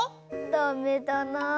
ダメだな。